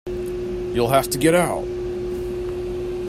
You'll have to get out!